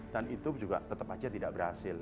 itu juga tetap saja tidak berhasil